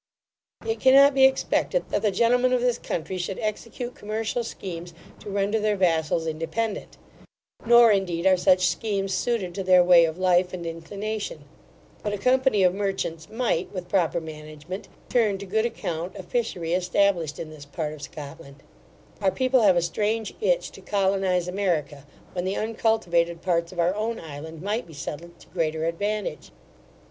It cannot be expected, that the gentlemen of this country should execute commercial schemes to render their vassals independent; nor, indeed, are such schemes suited to their way of life and inclination; but a company of merchants might, with proper management, turn to good account a fishery established in this part of Scotland Our people have a strange itch to colonize America, when the uncultivated parts of our own island might be settled to greater advantage.